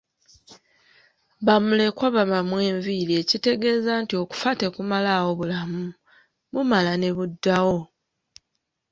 Ba mulekwa babamwa enviiri ekitegeeza nti okufa tekumalaawo bulamu, bumala ne buddawo